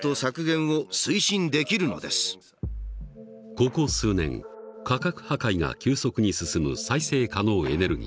ここ数年価格破壊が急速に進む再生可能エネルギー。